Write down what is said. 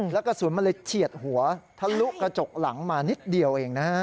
แล้วกระสุนมันเลยเฉียดหัวทะลุกระจกหลังมานิดเดียวเองนะฮะ